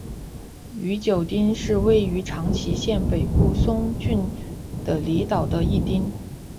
宇久町是位于长崎县北松浦郡的离岛的一町。